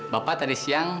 bapak tadi siang